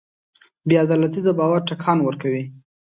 بېعدالتي د باور ټکان ورکوي.